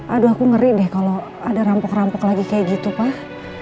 aduh aku ngeri deh kalau ada rampok rampok lagi kayak gitu pak